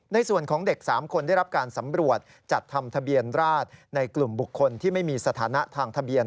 ในส่วนของเด็ก๓คนได้รับการสำรวจจัดทำทะเบียนราชในกลุ่มบุคคลที่ไม่มีสถานะทางทะเบียน